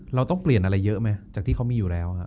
เราต้องเปลี่ยนอะไรเยอะไหมจากที่เขามีอยู่แล้วฮะ